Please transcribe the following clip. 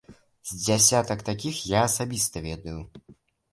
З дзясятак такіх я асабіста ведаю.